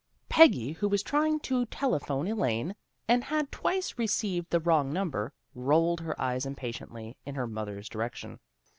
Peggy, who was trying to telephone Elaine, and had twice received the wrong number, rolled her eyes impatiently in her mother's direction.